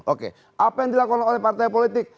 oke apa yang dilakukan oleh partai politik